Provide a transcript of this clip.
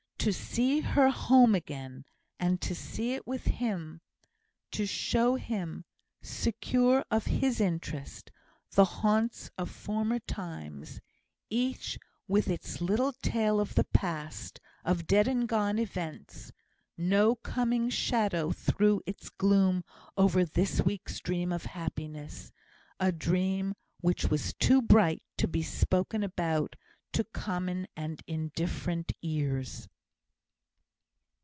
To see her home again, and to see it with him; to show him (secure of his interest) the haunts of former times, each with its little tale of the past of dead and gone events! No coming shadow threw its gloom over this week's dream of happiness a dream which was too bright to be spoken about to common and indifferent ears.